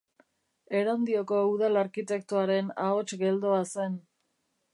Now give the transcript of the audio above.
Erandioko udal-arkitektoaren ahots geldoa zen.